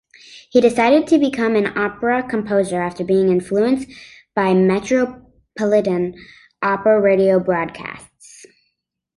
He decided to become an "opera-composer" after being influenced by Metropolitan Opera radio broadcasts.